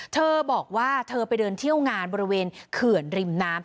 เธอบอกว่าเธอไปเดินเที่ยวงานบริเวณเขื่อนริมน้ำ